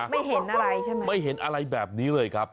ไม่เห็นอะไรใช่ไหมไม่เห็นอะไรแบบนี้เลยครับ